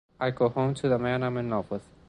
I go home to the man I'm in love with.